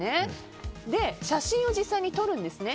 写真を実際に撮るんですね。